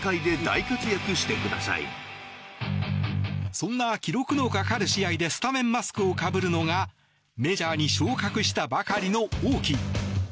そんな記録のかかる試合でスタメンマスクをかぶるのがメジャーに昇格したばかりのオーキー。